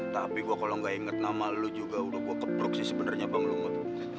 tapi gua kalo ga inget nama lu juga udah gua kepruk sih sebenernya bang lumut